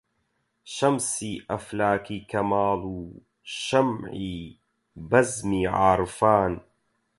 شەمسی ئەفلاکی کەماڵ و شەمعی بەزمی عارفان